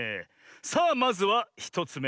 さあまずは１つめ。